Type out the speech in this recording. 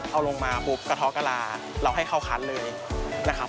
เอาลงมาปุ๊บกระท้อกะลาเราให้เข้าคัดเลยนะครับ